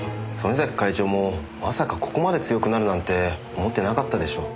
曾根崎会長もまさかここまで強くなるなんて思ってなかったでしょう。